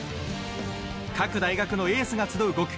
各大学のエースが集う５区。